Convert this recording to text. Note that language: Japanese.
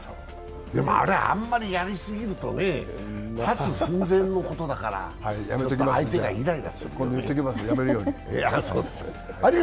あれあんまりやりすぎるとね立つ寸前のことだから相手がイライラするから。